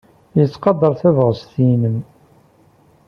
Yettqadar tabɣest-nnem.